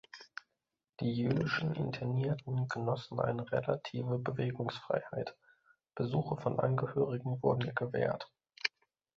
Die jüdischen Internierten genossen eine relative Bewegungsfreiheit; Besuche von Angehörigen wurden gewährt.